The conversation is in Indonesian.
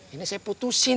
ini saya putusin